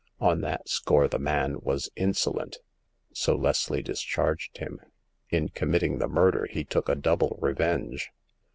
On that score the man was insolent ; so Leslie discharged him. In commit ting the murder, he took a double revenge."